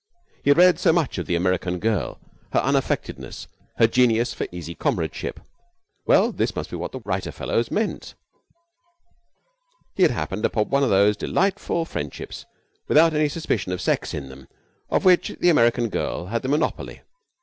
He had read so much of the American girl, her unaffectedness, her genius for easy comradeship. Well, this must be what the writer fellows meant. He had happened upon one of those delightful friendships without any suspicion of sex in them of which the American girl had the monopoly.